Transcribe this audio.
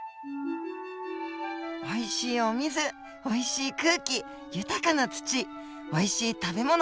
おいしいお水おいしい空気豊かな土おいしい食べ物。